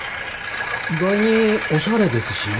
意外におしゃれですしね。